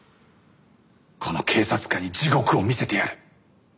この警察官に地獄を見せてやる！